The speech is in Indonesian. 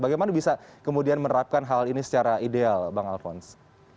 bagaimana bisa kemudian menerapkan hal ini secara ideal bang alphonse